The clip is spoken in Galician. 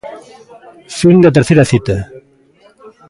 Fin da terceira cita.